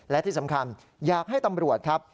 และที่สำคัญอยากให้ตำรวจครับ